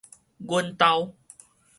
阮兜